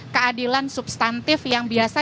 keadilan substantif yang biasa